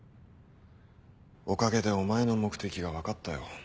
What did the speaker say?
おかげでお前の目的が分かったよ。